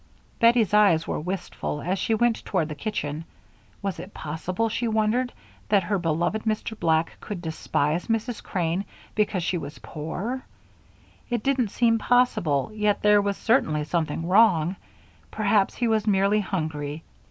Bettie's eyes were wistful as she went toward the kitchen. Was it possible, she wondered, that her beloved Mr. Black could despise Mrs. Crane because she was poor? It didn't seem possible, yet there was certainly something wrong. Perhaps he was merely hungry.